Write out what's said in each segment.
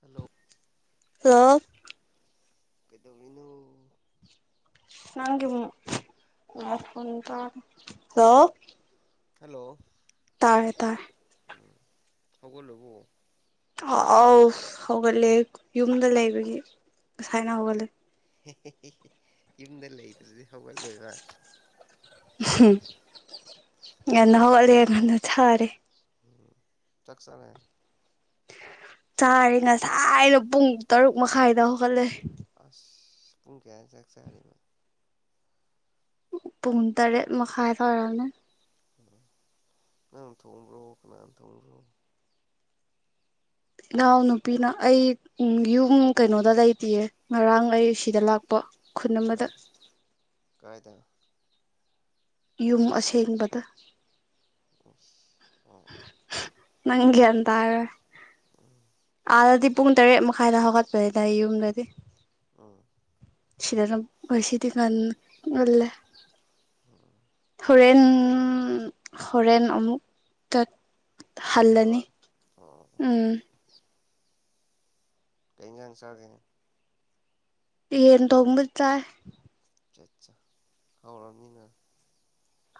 hello hello ꯀꯩꯗꯧꯔꯤꯅꯣ ꯅꯪꯒꯤꯃꯨꯛ [unintelligible] hello hello ꯇꯥꯔꯦ ꯇꯥꯔꯦ ꯎꯝ ꯍꯧꯒꯠꯂꯕꯣ ꯑ ꯑꯥꯎ ꯍꯧꯒꯠꯂꯦ ꯌꯨꯝꯗ ꯂꯩꯕꯒꯤ ꯉꯁꯥꯏꯅ ꯍꯧꯒꯠꯂꯦ ꯍꯦ ꯍꯦ ꯍꯦ ꯍꯦ ꯌꯨꯝꯗ ꯂꯩꯇ꯭ꯔꯗꯤ ꯍꯧꯒꯠꯂꯣꯏꯕ ꯍꯨꯝ ꯉꯟꯅ ꯍꯧꯒꯠꯂꯦ ꯉꯟꯅ ꯊꯔꯦ ꯎꯝ ꯆꯥꯛ ꯆꯥꯔꯦ ꯆꯥꯔꯦ ꯉꯁꯥꯏꯅ ꯄꯨꯡ ꯇꯔꯨꯛ ꯃꯈꯥꯏꯗ ꯍꯧꯒꯠꯂꯦ ꯄꯨꯡ ꯀꯌꯥꯗ ꯆꯥꯛ ꯆꯥꯔꯤꯅꯣ ꯄꯨꯡ ꯇꯔꯦꯠ ꯃꯈꯥꯏ ꯇꯥꯔꯅꯦ ꯅꯪ ꯊꯣꯡꯕ꯭ꯔꯣ ꯀꯅꯥꯅ ꯊꯣꯡꯕ꯭ꯔꯣ ꯏꯅꯥꯎ ꯅꯨꯨꯄꯤꯅ ꯑꯩ ꯌꯨꯝ ꯀꯩꯅꯣꯗ ꯂꯩꯇꯤꯌꯦ ꯉꯔꯥꯡ ꯑꯩ ꯁꯤꯗ ꯂꯥꯛꯄ ꯈꯨꯟ ꯑꯃꯗ ꯀꯥꯏ ꯀꯥꯏꯗ ꯌꯨꯝ ꯑꯁꯦꯡꯕꯗ ꯑꯩꯁ ꯅꯪ ꯒꯌꯥꯟ ꯇꯥꯔꯣꯢ ꯑꯥꯗꯗꯤ ꯄꯨꯡ ꯇꯔꯦꯠ ꯃꯈꯥꯏꯗ ꯍꯧꯒꯠꯄꯗ ꯌꯨꯝꯗꯗꯤ ꯎꯝ ꯁꯤꯗꯔꯝ ꯉꯁꯤꯗꯤ ꯉꯟ ꯉꯜꯂꯦ [inaudible] ꯍꯣꯔꯦꯟ ꯍꯣꯔꯦꯟ ꯑꯃꯨꯛ ꯇꯠ ꯍꯟꯗꯣꯏꯕ ꯍꯜꯂꯅꯤ ꯑꯣ ꯎꯝ ꯀꯩ ꯏꯟꯖꯥꯡ ꯆꯥꯒꯦ ꯌꯦꯟ ꯊꯣꯡꯕ ꯆꯥꯏ ꯐꯆꯥ ꯆꯥ ꯍꯥꯎꯔꯝꯅꯤꯅ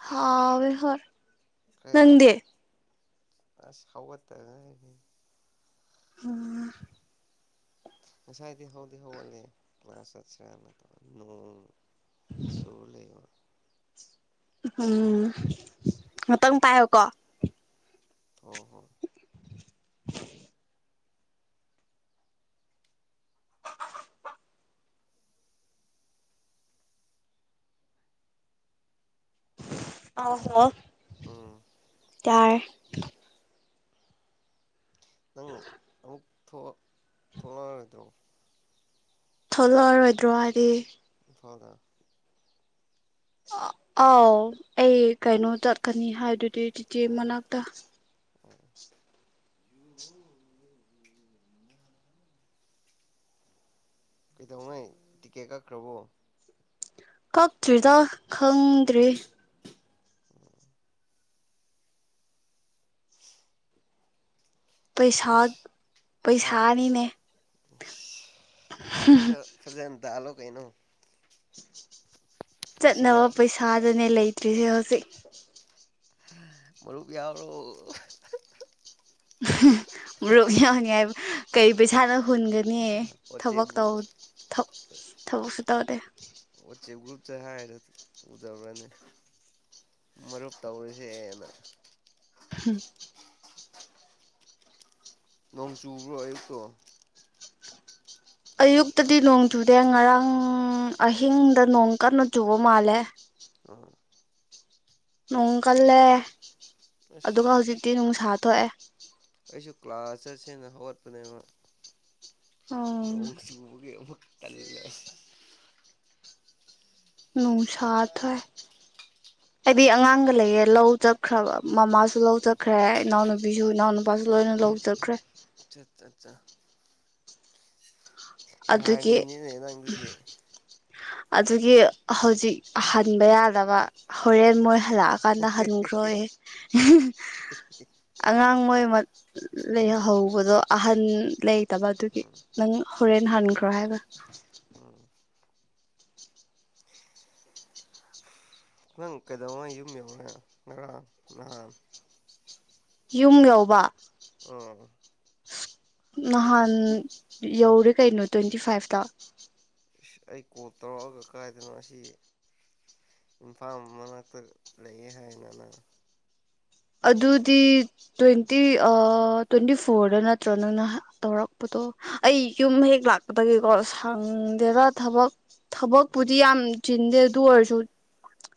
ꯍꯥꯎꯋꯦ ꯍꯣꯏ ꯈꯔ ꯌꯥꯝ ꯅꯪꯗꯤ ꯑꯁ ꯍꯧꯒꯠꯇ ꯉꯥꯏꯔꯤ ꯎꯝ ꯉꯁꯥꯏꯗꯤ ꯍꯧꯗꯤ ꯍꯧꯒꯠꯂꯦ ꯀ꯭ꯂꯥꯁ ꯆꯠꯁꯤꯔꯥꯅ ꯅꯣꯡ ꯆꯨ ꯂꯩꯕ ꯎꯝ ꯉꯥꯇꯪ ꯄꯥꯏꯌꯣꯀꯣ ꯍꯣ ꯍꯣ [inaudible] ꯑꯥꯎ ꯍꯜꯂꯣ ꯎꯝ ꯌꯥꯔꯦ ꯅꯪ ꯑꯃꯨꯛ ꯊꯣꯛ ꯊꯣꯛꯂꯛꯑꯔꯣꯏꯗ꯭ꯔꯣ ꯊꯣꯛꯂꯛꯑꯔꯣꯏꯗ꯭ꯔꯣ ꯍꯥꯏꯗꯤ ꯐꯧ ꯂ ꯑ ꯑꯥꯎ ꯑꯩ ꯀꯩꯅꯣ ꯆꯠꯀꯅꯤ ꯍꯥꯏꯗꯨꯗꯤ ꯆꯤꯆꯦ ꯑꯣ ꯑꯣ ꯃꯅꯥꯛꯇ ꯑꯣ ꯀꯩꯗꯧꯉꯩ ꯇꯤꯀꯦꯠ ꯀꯛꯈ꯭ꯔꯕꯣ ꯀꯛꯇ꯭ꯔꯤꯗ ꯈꯪꯗ꯭ꯔꯤ ꯄꯩꯁꯥ ꯑꯁ ꯍꯥ ꯄꯩꯁꯥꯅꯤꯅꯦ ꯑꯁ ꯈꯔ [unintelligible] ꯐꯖꯅ ꯇꯥꯜꯂꯣ ꯀꯩꯅꯣ ꯁꯤꯗ ꯆꯠꯅꯕ ꯄꯩꯁꯥꯗꯨꯅꯦ ꯂꯩꯇ꯭ꯔꯤꯁꯦ ꯍꯧꯖꯤꯛ ꯃꯔꯨꯞ ꯌꯥꯎꯔꯣ [unintelligible] ꯃꯔꯨꯞ ꯌꯥꯎꯅꯤꯡꯉꯥꯢ ꯀꯩꯄꯩꯁꯥꯅꯣ ꯍꯨꯟꯒꯅꯤꯌꯦ ꯋꯥꯆꯦꯞ ꯒ꯭ꯔꯨꯞ ꯊꯕꯛꯇꯧ ꯊꯕꯛ ꯊꯕꯛꯁꯨ ꯇꯧꯗꯦ [unintelligible] ꯎꯗꯕ꯭ꯔꯅꯦ ꯃꯔꯨꯞ ꯇꯧꯔꯖꯦꯅ ꯍꯝ ꯅꯣꯡ ꯆꯨꯕ꯭ꯔꯣ ꯑꯌꯨꯛꯇꯣ ꯑꯌꯨꯛꯇꯗꯤ ꯅꯣꯡ ꯆꯨꯗꯦ ꯉꯔꯥꯡ ꯑꯍꯤꯡꯗ ꯅꯣꯡ ꯀꯟꯅ ꯆꯨꯕ ꯃꯥꯜꯂꯦ ꯑꯥ ꯅꯣꯡ ꯀꯜꯂꯦ ꯑꯗꯨꯒ ꯍꯧꯖꯤꯛꯇꯤ ꯑꯁ ꯅꯨꯡꯁꯥ ꯊꯣꯛꯑꯦ ꯑꯩꯁꯨ ꯀ꯭ꯂꯥꯁ ꯆꯠꯁꯦꯅ ꯍꯧꯒꯠꯄꯅꯦꯕ ꯑꯣ ꯀꯔꯤꯔꯥ [unintelligible] ꯅꯨꯡꯁꯥ ꯊꯥꯏ ꯍꯥꯏꯗꯤ ꯑꯉꯥꯡꯒ ꯂꯩꯌꯦ ꯂꯧ ꯆꯠꯈ꯭ꯔꯕ ꯃꯃꯥꯁꯨ ꯂꯧ ꯆꯠꯈ꯭ꯔꯦ ꯏꯅꯥꯎꯅꯨꯄꯤꯁꯨ ꯏꯅꯥꯎꯅꯨꯄꯥ ꯂꯣꯏꯅ ꯂꯧ ꯆꯠꯈ꯭ꯔꯦ ꯑꯆꯠ ꯆꯠꯆ ꯑꯗꯨꯒꯤ ꯃꯍꯥꯔꯅꯤꯅꯦ ꯅꯪ ꯑꯗꯨꯗꯤ ꯑꯗꯨꯒꯤ ꯍꯧꯖꯤꯛ ꯍꯟꯕ ꯌꯥꯗꯕ ꯍꯣꯔꯦꯟ ꯃꯣꯏ ꯎꯝ ꯍꯜꯂꯛꯑꯀꯥꯟꯗ ꯍꯟꯈ꯭ꯔꯣꯑꯦ ꯍꯦ ꯍꯦ ꯑꯉꯥꯡ ꯃꯣꯏ ꯃꯠ ꯂꯩꯍꯧꯕꯗꯣ ꯑꯍꯟ ꯂꯩꯇꯕ ꯑꯗꯨꯒꯤ ꯎꯝ ꯅꯪ ꯍꯣꯔꯦꯟ ꯍꯟꯈ꯭ꯔꯣ ꯍꯥꯏꯕ ꯎꯝ ꯅꯪ ꯀꯩꯗꯧꯉꯩ ꯌꯨꯝ ꯌꯧꯔꯦ ꯉꯔꯥꯡ ꯅꯍꯥꯟ ꯌꯨꯝ ꯌꯧꯕ ꯑꯥ ꯅꯍꯥꯟ ꯌꯧꯔꯦ ꯀꯩꯅꯣ ꯇ꯭ꯋꯦꯟꯇꯤ ꯐꯥꯏꯚꯇ ꯑꯩ ꯀꯣꯜ ꯇꯧꯔꯛꯑꯒ ꯀꯥꯏꯗꯗꯅꯣ ꯑꯁꯤ ꯏꯝꯐꯥꯜ ꯃꯅꯥꯛꯇ ꯂꯩꯌꯦ ꯍꯥꯏꯅ ꯅꯪ ꯑꯗꯨꯗꯤ ꯇ꯭ꯋꯦꯟꯇꯤ ꯑꯥ ꯇ꯭ꯋꯦꯟꯇꯤ ꯐꯣꯔꯗ ꯅꯠꯇ꯭ꯔꯣ ꯅꯪꯅ ꯍꯥꯟ ꯇꯧꯔꯛꯄꯗꯣ ꯑꯣ ꯑꯩ ꯌꯨꯝ ꯍꯦꯛ ꯂꯥꯛꯄꯗꯒꯤꯀꯣ ꯁꯪꯗꯦꯕꯥ ꯊꯕꯛ ꯎꯝ ꯊꯕꯛꯄꯨꯗꯤ ꯌꯥꯝ ꯆꯤꯟꯗꯦ ꯑꯗꯨ ꯑꯣꯏꯔꯁꯨ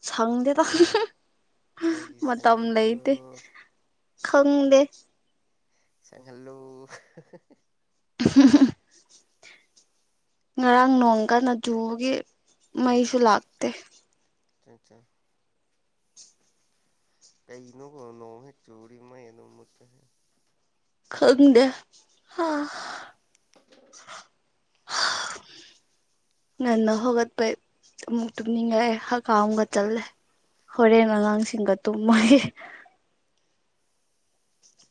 ꯁꯪꯗꯦ ꯗ ꯀꯩꯒꯤ ꯁꯪꯗꯕ꯭ꯔꯣ ꯈꯪꯗꯦ ꯁꯪꯍꯜꯂꯨ ꯉꯔꯥꯡ ꯅꯣꯡ ꯀꯟꯅ ꯆꯨꯕꯒꯤ ꯃꯩꯁꯨ ꯂꯥꯛꯇꯦ ꯑꯆꯥ ꯆꯥ ꯀꯩꯅꯣꯕ ꯅꯣꯡ ꯍꯦꯛ ꯆꯨꯔꯗꯤ ꯃꯩ ꯑꯗꯨꯝ ꯃꯨꯠꯄꯁꯦ ꯈꯪꯗꯦ ꯍꯥ [inaudible] ꯍꯥ ꯉꯟꯅ ꯍꯧꯒꯠꯄꯩ ꯑꯃꯨꯛ ꯇꯨꯝꯅꯤꯡꯉꯛꯑꯦ ꯍꯥꯀꯥꯝꯒ ꯆꯜꯂꯦ ꯍꯣꯔꯦꯟ ꯎꯝ ꯑꯉꯥꯡꯁꯤꯡꯒ ꯇꯨꯝꯃꯒꯦ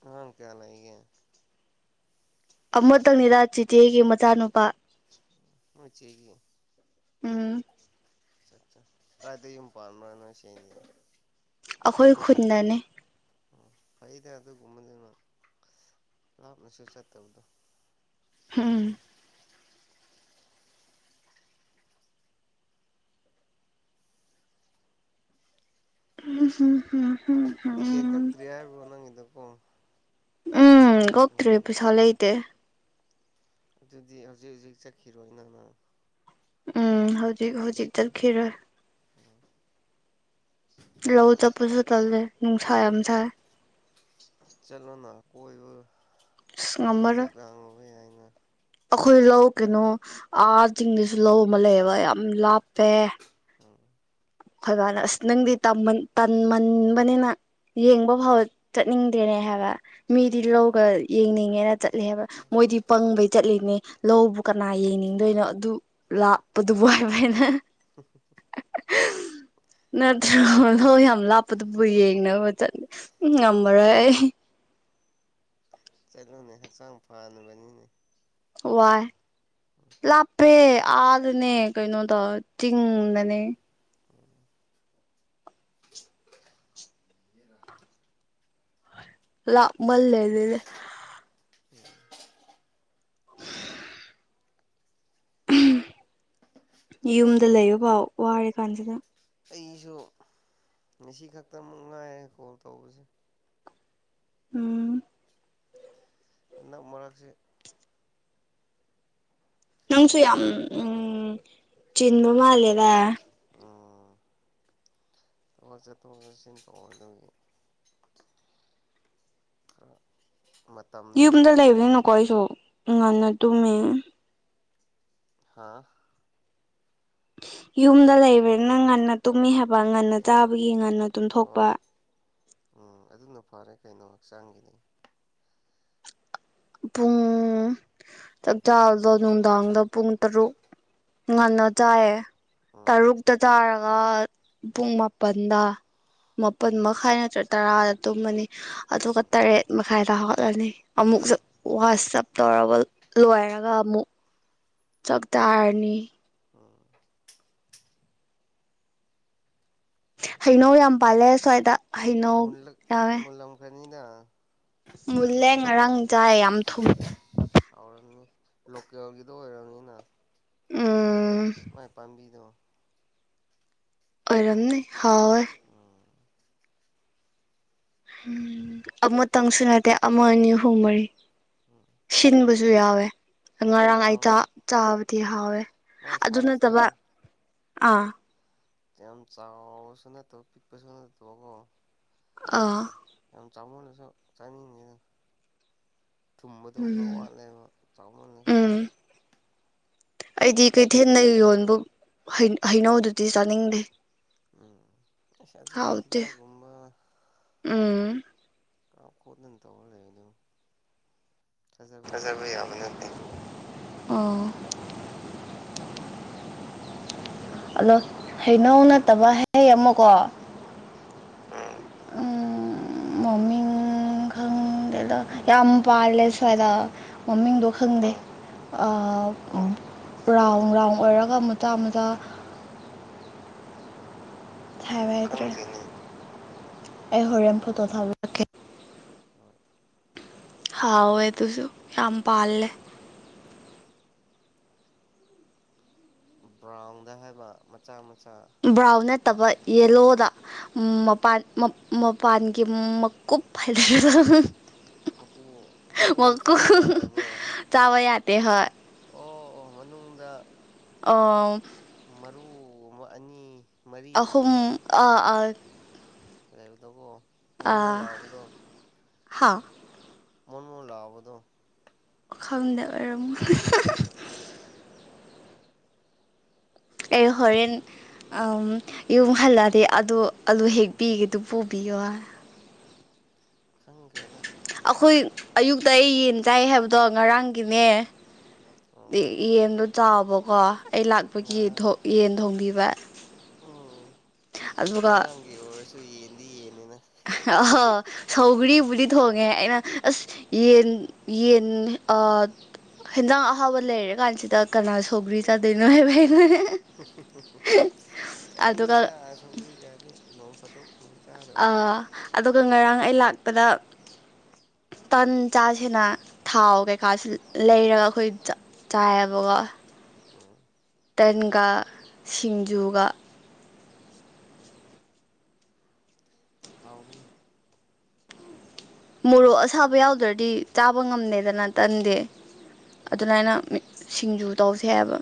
ꯑꯉꯥꯡ ꯀꯌꯥ ꯂꯩꯒꯦ ꯑꯃꯇꯪꯅꯤꯗ ꯆꯤꯆꯦꯒꯤ ꯃꯆꯥꯅꯨꯄꯥ ꯅꯣꯏ ꯆꯦꯒꯤ ꯎꯝ ꯑꯆꯠ ꯆꯥ ꯀꯥꯏꯗ ꯌꯨꯝ ꯄꯥꯟꯕ꯭ꯔꯥ ꯅꯣꯏ ꯆꯦꯗꯤ ꯑꯩꯈꯣꯏ ꯅꯣꯏ ꯈꯨꯟꯗꯅꯦ ꯎꯝ ꯐꯩꯗ ꯑꯗꯨꯒꯨꯝꯕꯗꯨꯅ ꯂꯥꯞꯅꯁꯨ ꯆꯠꯇꯕꯗꯣ ꯍꯨꯝ ꯎꯝ ꯎꯝ ꯇꯤꯛꯀꯦꯠ ꯀꯛꯇ꯭ꯔꯤ ꯍꯥꯏꯕꯣ ꯅꯪꯒꯤꯗꯣꯀꯣ ꯎꯝ ꯀꯣꯛꯇ꯭ꯔꯤ ꯎꯝ ꯄꯩꯁꯥ ꯂꯩꯇꯦ ꯑꯗꯨꯗꯤ ꯍꯧꯖꯤꯛ ꯍꯧꯖꯤꯛ ꯆꯠꯈꯤꯔꯣ ꯅꯪꯅ ꯎꯝ ꯍꯧꯖꯤꯛ ꯍꯧꯖꯤꯛ ꯆꯠꯈꯤꯔꯣꯏ ꯂꯧ ꯆꯠꯄꯖꯨ ꯇꯜꯂꯦ ꯅꯨꯡꯁꯥ ꯌꯥꯝ ꯁꯥꯏ ꯆꯠꯂꯣꯅ ꯀꯣꯏꯕ ꯑꯁ ꯍꯪꯆꯤꯛ ꯂꯥꯡꯉꯣꯕ ꯌꯥꯏꯅ ꯑꯈꯣꯏ ꯂꯧ ꯀꯩꯅꯣ ꯑꯥ ꯆꯤꯡꯗꯁꯨ ꯂꯧ ꯑꯃ ꯂꯩꯌꯦꯕ ꯌꯥꯝ ꯂꯥꯞꯄꯦ ꯇꯕ꯭ꯔꯥ ꯑꯈꯣꯏꯕꯥꯅ ꯑꯁ ꯅꯪꯗꯤ ꯇꯝꯃꯟ ꯇꯟꯃꯟꯕꯅꯤꯅ ꯌꯦꯡꯕ ꯐꯥꯎ ꯆꯠꯅꯤꯡꯗꯦꯅꯦ ꯍꯥꯏꯕ ꯃꯤꯗꯤ ꯎꯝ ꯂꯧꯒ ꯌꯦꯡꯅꯤꯡꯉꯦꯅ ꯆꯠꯂꯦ ꯍꯥꯏꯕ ꯃꯣꯏꯗꯤ ꯄꯪꯕꯩ ꯆꯠꯂꯤꯅꯦ ꯂꯧꯕꯨ ꯀꯅꯥ ꯌꯦꯡꯅꯤꯡꯗꯣꯏꯅꯣ ꯑꯗꯨ ꯂꯥꯞꯄꯗꯨꯕꯨ ꯍꯥꯏꯕ ꯑꯩꯅ ꯍꯨꯝ ꯍꯨꯝ ꯅꯠꯇ꯭ꯔꯣ ꯂꯧ ꯌꯥꯝ ꯂꯥꯞꯄꯗꯨꯕꯨ ꯌꯦꯡꯅꯕ ꯆꯠ ꯎꯝ ꯉꯝꯃꯔꯣꯏ ꯑꯩ ꯆꯂꯣꯅꯦ ꯍꯛꯆꯥꯡ ꯐꯥꯅꯕꯅꯤꯅꯦ ꯋꯥꯏ ꯂꯥꯞꯄꯦ ꯑꯥꯗꯅꯦ ꯀꯩꯅꯣꯗ ꯆꯤꯡꯗꯅꯦ [inaudible] ꯂꯥꯞꯃꯜꯂꯦꯗꯅꯦ ꯎꯝ ꯑꯁ ꯌꯨꯝꯗ ꯑꯩ ꯂꯩꯕꯐꯥꯎ ꯋꯥꯔ ꯀꯥꯟꯁꯤꯗ ꯑꯩꯁꯨ ꯉꯁꯤ ꯈꯛꯇꯃꯛ ꯉꯥꯏꯔꯦ ꯀꯣꯜ ꯇꯧꯕꯁꯦ ꯎꯝ ꯍꯟꯗꯛ ꯃꯔꯛꯁꯦ ꯅꯪꯁꯨ ꯌꯥꯝ ꯕꯤꯖꯤ ꯈꯔ ꯎꯝ ꯑꯣꯏꯕ ꯆꯤꯟꯕ ꯃꯥꯜꯂꯦꯗꯥ ꯎꯝ ꯊꯕꯛ ꯆꯠꯊꯣꯛ ꯆꯠꯁꯤꯟ ꯇꯧꯔꯗꯝꯅꯤ [inaudible] ꯃꯇꯝꯗꯣ ꯌꯨꯝꯗ ꯂꯩꯕꯅꯤꯅ ꯀꯣ ꯑꯩꯁꯨ ꯉꯟꯅ ꯇꯨꯝꯃꯦ ꯍꯥꯥ ꯌꯨꯝꯗ ꯂꯩꯕꯅꯤꯅ ꯉꯟꯅ ꯇꯨꯝꯃꯤ ꯍꯥꯏ ꯉꯟꯅ ꯍꯣꯏ ꯆꯥꯕꯒꯤ ꯉꯟꯅ ꯇꯨꯝꯊꯣꯛꯄꯥ ꯍꯣꯏ ꯎꯝ ꯑꯗꯨꯅ ꯐꯔꯦ ꯀꯩꯅꯣ ꯍꯛꯆꯥꯡꯒꯤꯗꯤ ꯄꯨꯡ ꯆꯥꯥꯥꯛ ꯆꯕꯗꯣ ꯅꯨꯡꯗꯥꯡꯗ ꯄꯨꯡ ꯇꯔꯨꯛ ꯉꯟꯅ ꯆꯥꯏꯌꯦ ꯎꯝ ꯇꯔꯨꯛꯇ ꯆꯥꯔ ꯒ ꯄꯨꯡ ꯃꯥꯄꯟꯗ ꯃꯥꯄꯟ ꯎꯝ ꯃꯈꯥꯏ ꯅꯠꯇ꯭ꯔ ꯇꯔꯥꯗ ꯇꯨꯝꯃꯅꯤ ꯑꯗꯨꯒ ꯎꯝ ꯇꯔꯦꯠ ꯃꯈꯥꯏ ꯇꯥ ꯍꯧꯒꯠꯂꯅꯤ ꯑꯃꯨꯛ ꯋꯥꯁꯞ ꯇꯧꯔꯕ ꯂꯣꯏꯔꯒ ꯑꯃꯨꯛ ꯆꯛ ꯇꯥꯔꯅꯤ ꯎꯝ ꯍꯩꯅꯧ ꯌꯥꯝ ꯄꯥꯜꯂꯦ ꯁ꯭ꯋꯥꯏꯗ ꯍꯩꯅꯧ ꯌꯥꯝꯃꯦ ꯅꯣꯏꯗꯥ ꯃꯨꯜꯂꯦ ꯉꯔꯥꯡ ꯆꯥꯏ ꯌꯥꯝ ꯑꯁ ꯊꯨꯝ ꯍꯥꯎꯔꯝꯅꯤ ꯂꯣꯀꯦꯜꯒꯤꯗꯣ ꯑꯣꯏꯔꯝꯅꯤꯅ ꯎꯝ ꯃꯥꯏ ꯄꯥꯝꯕꯤꯗꯣ ꯑꯣꯏꯔꯝꯅꯤ ꯍꯥꯎꯋꯦ ꯎꯝ ꯎꯝ ꯑꯃꯇꯪ ꯁꯨ ꯅꯠꯇꯦ ꯑꯃ ꯑꯅꯤ ꯑꯍꯨꯝ ꯃꯔꯤ ꯎꯝ ꯁꯤꯟꯕꯖꯨ ꯌꯥꯎꯋꯦ ꯉꯔꯥꯡ ꯑꯩ ꯌꯥꯝ ꯆꯥꯛ ꯆꯥꯕꯗꯤ ꯍꯥꯎꯋꯦ ꯃꯥꯏ ꯑꯗꯨ ꯁꯥꯏꯖꯇꯣ ꯅꯠꯇꯕ ꯑꯥ ꯌꯥꯝ ꯆꯥꯎꯔꯁꯨ ꯅꯠꯇꯕ ꯄꯤꯛꯄꯖꯨ ꯅꯠꯇꯕꯀꯣ ꯑꯥ ꯌꯥꯝ ꯆꯥꯃꯣꯅꯁꯨ ꯆꯥꯅꯤꯡꯉꯦꯗ ꯊꯨꯝꯕꯗꯣ ꯈꯔ ꯎꯝ ꯋꯥꯠꯂꯦꯕ ꯆꯥꯎꯃꯜꯂꯁꯨ ꯎꯝ ꯑꯩꯗꯤ ꯀꯩꯊꯦꯜꯗ ꯌꯣꯟꯕ ꯍꯩ ꯍꯩꯅꯧꯗꯨꯗꯤ ꯆꯥꯅꯤꯡꯗꯦ ꯎꯝ ꯑꯁ ꯑꯗꯨꯗꯤ ꯍꯥꯎꯇꯦ ꯍꯤꯗꯥꯛ ꯀꯨꯝꯕ ꯎꯝ ꯀ ꯈꯣꯠꯅꯤꯛ ꯊꯧ ꯂꯩꯕꯗꯨꯕꯨ ꯊꯖꯕ ꯌꯥꯕ ꯅꯠꯇꯦ ꯑꯣ ꯑꯗꯣ ꯍꯩꯅꯧ ꯅꯠꯇꯕ ꯍꯩ ꯑꯃ ꯀꯣ ꯑꯥ ꯎꯝ ꯃꯃꯤꯡ ꯗꯣ ꯌꯥꯝ ꯄꯥꯟꯂꯦ ꯁꯨꯋꯥꯢꯗ ꯃꯃꯤꯡꯗꯣ ꯎꯝ ꯈꯪꯗꯦ ꯑꯥ ꯎꯝ ꯔꯥꯎꯟ ꯔꯥꯎꯟ ꯑꯣꯏꯔꯒ ꯃꯆꯥ ꯃꯆꯥ ꯈꯪꯗꯦꯅꯦ ꯍꯥꯏꯕꯗ꯭ꯔꯦ ꯑꯩ ꯍꯣꯔꯦꯟ ꯐꯠꯇꯣ ꯊꯦꯕꯤꯔꯛꯀꯦ ꯍꯣꯏ ꯍꯥꯎꯋꯦ ꯑꯗꯨꯁꯨ ꯌꯥꯝ ꯄꯜꯂꯦ ꯕ꯭ꯔꯥꯎꯟꯗ ꯍꯥꯏꯕ ꯃꯆꯥ ꯃꯆꯥ ꯕ꯭ꯔꯥꯎꯟ ꯅꯠ ꯐꯠꯇꯕ ꯌꯦꯂꯣꯗ ꯃꯄꯥꯟ ꯃꯄꯥꯟꯒꯤ ꯃꯀꯨꯞ ꯍꯥꯏꯗꯨꯔ ꯃꯀꯨ ꯃꯀꯨꯗꯨ ꯆꯥꯗ ꯌꯥꯗꯕ꯭ꯔꯣ ꯇꯦꯍꯣꯢ ꯑꯣ ꯑꯣ ꯃꯅꯨꯡꯗ ꯑꯪ ꯃꯔꯨ ꯑꯅꯤ ꯑꯍꯨꯝ ꯃꯔꯤꯒꯨꯝꯕꯔ ꯑꯥ ꯑꯥ ꯂꯩꯕꯗꯣꯀꯣ ꯃꯣꯟ ꯃꯣꯟ ꯑꯥ ꯂꯥꯎꯕꯗꯣ ꯍꯥ ꯃꯣꯟ ꯃꯣꯟ ꯂꯥꯎꯕꯗꯣ ꯈꯪꯗꯦ ꯑꯣꯏꯔꯝꯒꯅꯤ ꯑꯦ ꯍꯣꯔꯦꯟ ꯌꯨꯝ ꯍꯜꯂꯛ ꯑꯗꯤ ꯑꯗꯨ ꯑꯂꯨ ꯍꯦꯛꯄꯤꯒꯦꯗꯨ ꯄꯨꯕꯤꯌꯣ ꯈꯪꯈ꯭ꯔꯦꯗ ꯑꯩꯈꯣꯏ ꯑꯩ ꯑꯌꯨꯛꯇ ꯑꯩ ꯌꯦꯟ ꯆꯥꯏ ꯍꯥꯏꯕꯗꯣ ꯉꯔꯥꯡꯒꯤꯅꯦ ꯎꯝ ꯎꯝ ꯌꯦꯟꯗꯣ ꯆꯥꯎꯕꯀꯣ ꯑꯩ ꯂꯥꯛꯄꯒꯤ ꯉꯔꯥꯡ ꯌꯦꯟ ꯊꯣꯡꯕꯤꯕ ꯎꯝ ꯉꯔꯥꯡꯒꯤ ꯑꯣꯏꯔꯁꯨ ꯌꯦꯟꯗꯤ ꯌꯦꯟ ꯑꯍꯣ ꯁꯧꯒꯔꯤ ꯄꯨꯗꯤ ꯊꯣꯡꯉꯦ ꯑꯩꯅ ꯑꯁ ꯌꯦꯟ ꯌꯦꯟ ꯑꯥ ꯍꯟꯖꯥꯡ ꯑꯍꯧꯕ ꯂꯩꯔ ꯀꯥꯟꯁꯤꯗ ꯀꯅꯥ ꯁꯧꯒ꯭ꯔꯤ ꯆꯥꯗꯣꯏꯅꯣ ꯍꯥꯏꯕ ꯑꯩꯅ ꯍꯨꯝ ꯍꯨꯝ ꯍꯨꯝ ꯑꯗꯨꯒ ꯆꯥꯅꯤꯡꯗꯦꯗ ꯁꯧꯔꯤꯒꯗꯤ ꯅꯣꯡ ꯐꯇꯣꯛ ꯑꯥ ꯑꯗꯨꯒ ꯉꯔꯥꯡ ꯑꯩ ꯂꯥꯛꯄꯗ ꯇꯟ ꯆꯥꯁꯦꯅ ꯊꯥꯎ ꯀꯩꯀꯥꯁꯨ ꯂꯩꯔꯒ ꯑꯩꯈꯣꯏ ꯆꯥꯏꯌꯦꯕꯀꯣ ꯎꯝ ꯇꯟꯒ ꯁꯤꯡꯖꯨꯒ ꯎꯝ ꯍꯥꯎꯕꯅꯦ ꯃꯣꯔꯣꯛ ꯑꯁꯥꯕ ꯌꯥꯎꯗ꯭ꯔꯗꯤ ꯆꯥꯕ ꯉꯝꯗꯦꯗꯅ ꯇꯟꯗꯤ ꯎꯝ ꯑꯗꯨꯃꯥꯏꯅ ꯁꯤꯡꯖꯨ ꯇꯧꯁꯦ ꯍꯥꯏꯕ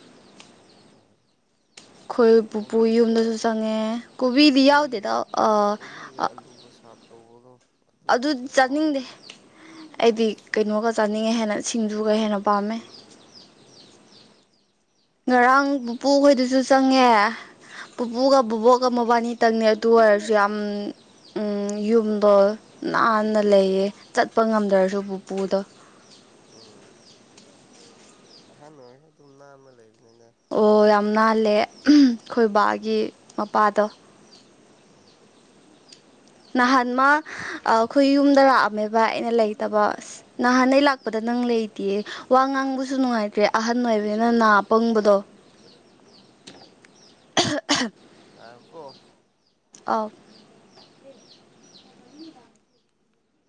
ꯎꯝ ꯑꯩꯈꯣꯏ ꯄꯨꯄꯨ ꯀꯣꯕꯤꯒ ꯌꯨꯝꯗꯁꯨ ꯆꯪꯉꯦ ꯀꯣꯕꯤꯗꯤ ꯌꯥꯎꯗꯦꯗ ꯀꯣꯕꯤꯒ ꯀꯣꯕꯤ ꯑꯂꯨꯒ ꯁꯥꯛ ꯇꯧꯕꯗꯣ ꯑꯗꯨꯗꯤ ꯑꯗꯨꯒꯁꯨ ꯆꯥꯅꯤꯡꯗꯦ ꯍꯥꯎꯕꯅꯦ ꯑꯩꯗꯤ ꯀꯩꯅꯣꯒ ꯆꯥꯅꯤꯡꯉꯦ ꯍꯦꯟꯅ ꯁꯤꯡꯖꯨꯒ ꯍꯦꯟꯅ ꯄꯥꯝꯃꯦ ꯎꯝ ꯎꯝ ꯉꯔꯥꯡ ꯄꯨꯄꯨꯈꯣꯏꯗꯨꯁꯨ ꯆꯪꯉꯦ ꯎꯝ ꯄꯨꯄꯨꯒ ꯕꯨꯕꯣꯛꯒ ꯃꯕꯥꯅꯤ ꯈꯤꯇꯪꯅꯤ ꯑꯗꯨ ꯑꯣꯏꯔꯖꯨ ꯌꯥꯝ ꯑꯝ ꯌꯨꯝꯗꯣ ꯅꯥꯟꯅ ꯎꯝ ꯂꯩꯌꯦ ꯆꯠꯄ ꯉꯝꯗ꯭ꯔꯁꯨ ꯎꯝ ꯄꯨꯄꯨꯗꯣ ꯎꯝ ꯑꯍꯟ ꯑꯣꯏꯔꯖꯨ ꯑꯗꯨꯝ ꯅꯥꯟꯕ ꯂꯩꯕꯅꯤꯅꯦ ꯑꯣ ꯌꯥꯝ ꯅꯥꯜꯂꯦ ꯈꯣꯏ ꯕꯥꯒꯤ ꯃꯄꯥꯗꯣ ꯎꯝ ꯅꯍꯥꯟ ꯃꯥ ꯑꯥ ꯈꯣꯏ ꯌꯨꯝꯗ ꯂꯥꯛꯑꯝꯃꯦꯕꯥ ꯑꯩꯅ ꯂꯩꯇꯕ ꯑꯁ ꯅꯍꯥꯟ ꯑꯩ ꯂꯥꯛꯄꯗ ꯅꯪ ꯂꯩꯇꯤꯌꯦ ꯋꯥ ꯉꯥꯡꯕꯁꯨ ꯅꯨꯡꯉꯥꯏꯇ꯭ꯔꯦ ꯑꯍꯟ ꯑꯣꯏꯕꯅꯤꯅ ꯅꯥ ꯄꯪꯕꯗꯣ [inaudible] ꯑꯍꯥ ꯍꯥ ꯉꯥꯏꯌꯨꯀꯣ ꯑꯥꯎ